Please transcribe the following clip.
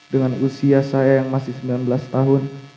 dengan usia saya yang masih sembilan belas tahun